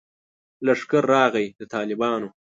لښکر راغلی د طالبانو